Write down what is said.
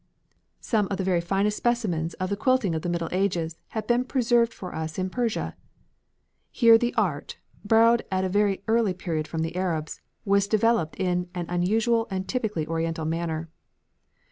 Some of the very finest specimens of the quilting of the Middle Ages have been preserved for us in Persia. Here the art, borrowed at a very early period from the Arabs, was developed in an unusual and typically oriental manner.